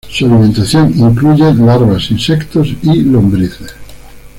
Su alimentación incluye larvas, insectos y lombrices.